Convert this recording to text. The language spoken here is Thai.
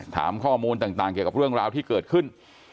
ถามข้อมูลต่างเกี่ยวกับเรื่องราวที่เกิดขึ้น